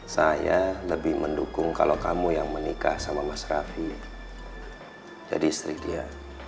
saya lebih mendukung kalau kamu yang menikah sama mas raffi jadi istri dia